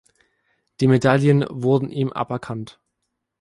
Die Medaillen wurden ihm aberkannt.